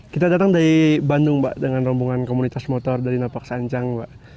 kita datang dari bandung mbak dengan rombongan komunitas motor dari napak sancang mbak